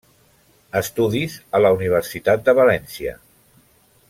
Estudis a la Universitat de València.